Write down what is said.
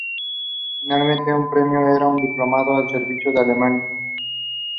He also refereed several games.